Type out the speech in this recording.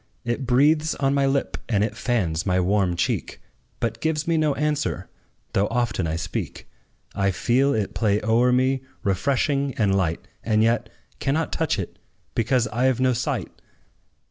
It breathes on my lip, and it fans my warm cheek, But gives me no answer, though often I speak: I feel it play o'er me, refreshing and light, And yet cannot touch it, because I 've no sight!